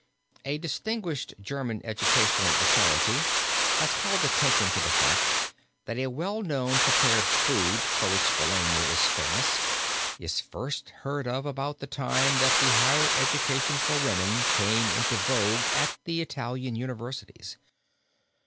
A distinguished German educational authority has called attention to the fact that a well known prepared food, for which Bologna is famous, is first heard of about the time that the higher education for women came into vogue at the Italian universities.